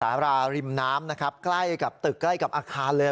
สาราริมน้ำนะครับใกล้กับตึกใกล้กับอาคารเลย